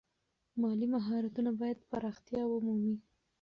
مالي مهارتونه باید پراختیا ومومي.